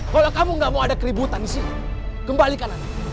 kalau kamu gak mau ada keributan di sini kembalikan anda